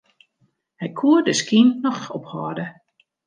Hy koe de skyn noch ophâlde.